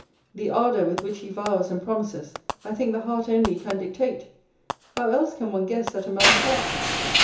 The ardour with which he vows and promises, I think the heart only can dictate: how else can one guess at a man's heart?